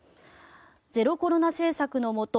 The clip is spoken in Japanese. ゼロコロナ政策のもと